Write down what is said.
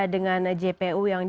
dengan jpu yang